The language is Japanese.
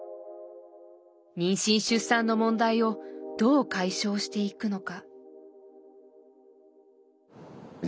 妊娠・出産の問題をどう解消していくのか。